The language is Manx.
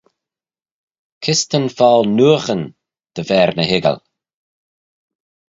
Kys ta'n fockle nooghyn dy v'er ny hoiggal?